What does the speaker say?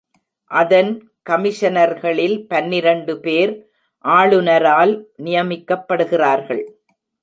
அதன் கமிஷனர்களில் பன்னிரண்டு பேர் ஆளுநரால் நியமிக்கப்படுகிறார்கள்.